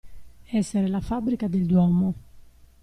Essere la fabbrica del duomo.